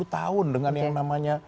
dua puluh tahun dengan yang namanya